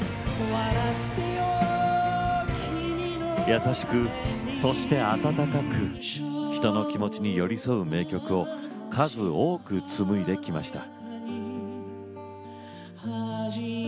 優しく、そして温かく人の気持ちに寄り添う名曲を数多く紡いできました。